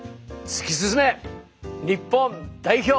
突き進め日本代表！